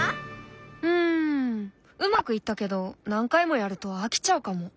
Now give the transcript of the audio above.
うんうまくいったけど何回もやると飽きちゃうかも。